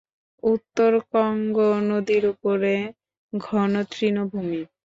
উত্তরে কঙ্গো নদীর ওপারে ঘন তৃণভূমি।